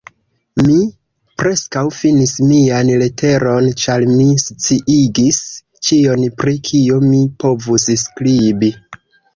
Mi preskaŭ finis mian leteron, ĉar mi sciigis ĉion, pri kio mi povus skribi.